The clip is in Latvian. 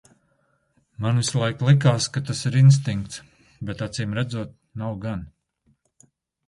Man vislaik likās, ka tas ir instinkts, bet acīmredzot nav gan.